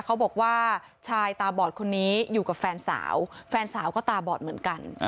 เขาบอกว่าชายตาบอดคนนี้อยู่กับแฟนสาวแฟนสาวก็ตาบอดเหมือนกัน